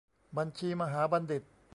บัญชีมหาบัณฑิต